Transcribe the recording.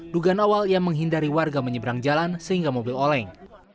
dugaan awal ia menghindari warga menyeberang jalan sehingga mobil oleng